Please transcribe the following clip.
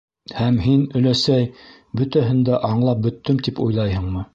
Һәм һин, өләсәй, бөтәһен дә аңлап бөттөм, тип уйлайһыңмы?